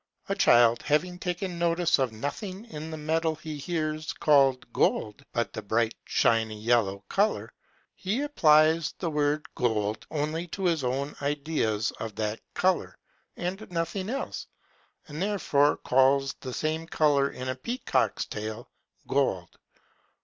A child having taken notice of nothing in the metal he hears called GOLD, but the bright shining yellow colour, he applies the word gold only to his own idea of that colour, and nothing else; and therefore calls the same colour in a peacock's tail gold.